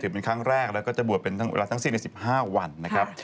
เป็นครั้งแรกแล้วก็จะบวชเป็นเวลาทั้งสิ้นใน๑๕วันนะครับ